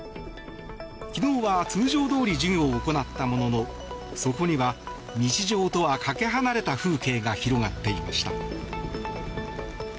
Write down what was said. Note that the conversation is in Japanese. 昨日は通常どおり授業を行ったもののそこには日常とはかけ離れた風景が広がっていました。